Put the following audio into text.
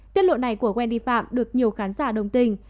tiết lộ này của wendy phạm được nhiều khán giả đồng tình